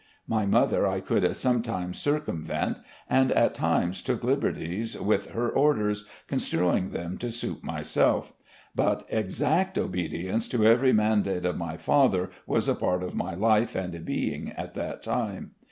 My mother I could sometimes circumvent, and at times took liberties with her orders, construing them to suit myself ; but exact obedience to every mandate of my father was a part of my life and being at that time.